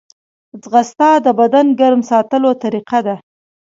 ځغاسته د بدن ګرم ساتلو طریقه ده